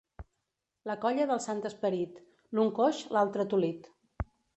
La colla del sant Esperit: l'un coix, l'altre tolit.